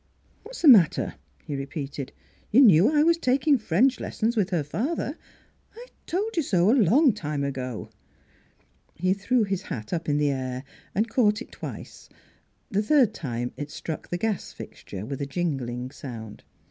"What's the matter?" he repeated. "You knew I was taking French lessons with her father. I told you so, a long time ago." He threw his hat up in the air and caught it twice; the third time it struck the gas fixture with a jingling sound.